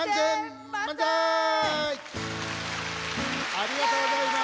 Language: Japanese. ありがとうございます。